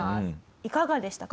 いかがでしたか？